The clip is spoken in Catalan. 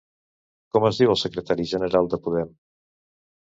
Com es diu el secretari general de Podem?